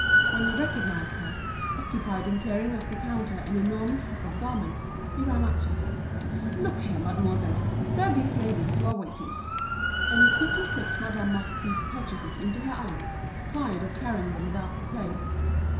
When he recognised her, occupied in clearing off the counter an enormous heap of garments, he ran up to her. "Look here, mademoiselle! serve these ladies who are waiting." And he quickly slipped Madame Marty's purchases into her arms, tired of carrying them about the place.